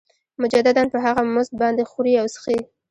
مجدداً په هغه مزد باندې خوري او څښي